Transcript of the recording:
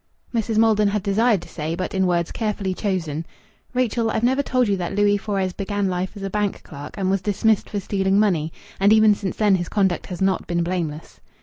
Mrs. Maldon had desired to say, but in words carefully chosen: "Rachel, I've never told you that Louis Fores began life as a bank clerk, and was dismissed for stealing money. And even since then his conduct has not been blameless."